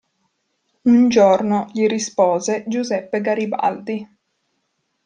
Un giorno gli rispose Giuseppe Garibaldi.